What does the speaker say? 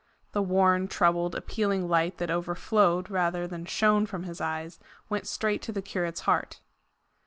The worn, troubled, appealing light that overflowed rather than shone from his eyes, went straight to the curate's heart.